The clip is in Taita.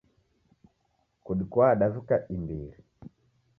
Kudikua davika imbiri